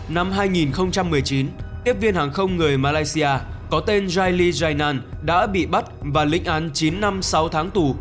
năm hai nghìn một mươi chín tiếp viên hàng không người malaysia có tên jaili jainan đã bị bắt và lĩnh án chín năm sáu tháng tù